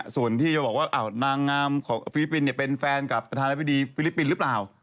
ส่วนที่จะบอกว่านางงามของฟิลิปปินส์เป็นแฟนกับประธานาธิบดีฟิลิปปินส์หรือเปล่า